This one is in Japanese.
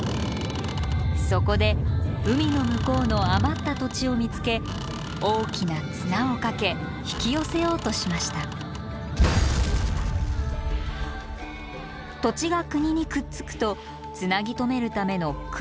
そこで海の向こうの余った土地を見つけ大きな綱をかけ引き寄せようとしました土地が国にくっつくとつなぎ止めるための杭を立てました。